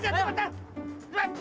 ah rasain tuh